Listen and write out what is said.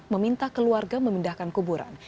meminta keluarga memindahkan kuburan